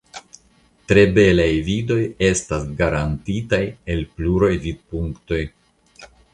Tre belaj vidoj estas garantitaj el pluraj vidpunktoj.